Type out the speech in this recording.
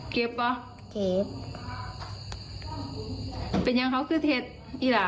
เก็บป่ะเก็บเป็นอย่างเขาคือเทศอีหร่า